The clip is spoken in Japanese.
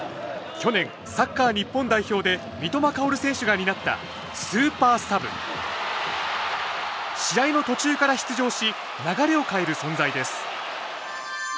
去年サッカー日本代表で三笘薫選手が担った試合の途中から出場し流れを変える存在です